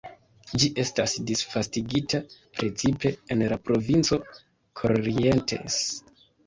Ĝi esta disvastigita precipe en la provinco Corrientes.